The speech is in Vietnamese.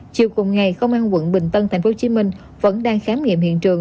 chiều cùng ngày công an quận bình tân thành phố hồ chí minh vẫn đang khám nghiệm hiện trường